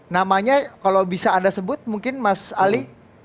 namanya kalau bisa anda sebut mungkin mas ali